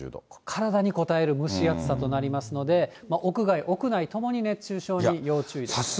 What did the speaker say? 体にこたえる蒸し暑さとなりますので、屋外、屋内ともに熱中症に要注意です。